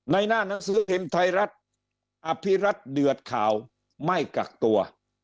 ในหน้านักศึกธิมไทยรัฐอภิรัตน์เดือดข่าวไม่กลักตัว